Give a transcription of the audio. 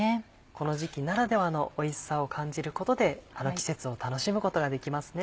この時期ならではのおいしさを感じることで季節を楽しむことができますね。